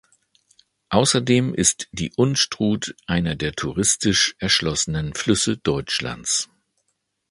Außerdem ist die Unstrut einer der touristisch erschlossenen Flüsse Deutschlands.